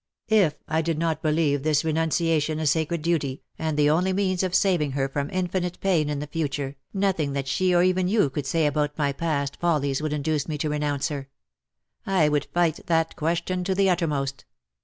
^' If I did not believe this renunciation a sacred duty, and the only means of saving her from infinite pain in the future, nothing that she or even you could say about my past follies would induce me to renounce her. I would fight that question to the uttermost.